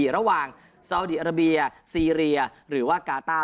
ระหว่างซาวดีอาราเบียซีเรียหรือว่ากาต้า